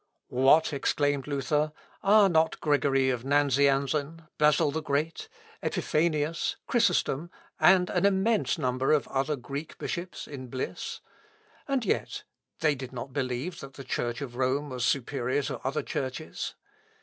"What!" exclaimed Luther, "Are not Gregory of Nanzianzen, Basil the Great, Epiphanius, Chrysostom, and an immense number of other Greek bishops in bliss? and yet they did not believe that the Church of Rome was superior to other churches!...